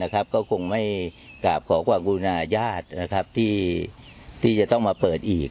ก็คงไม่กราบขอความบูรณาญาติที่จะต้องมาเปิดอีก